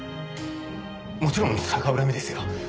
もちろん逆恨みですよ。